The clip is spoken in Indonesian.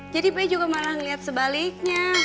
jadi p juga malah ngeliat sebaliknya